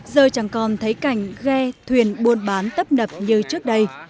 giờ chẳng còn thấy cảnh ghe thuyền buôn bán tấp nập như trước đây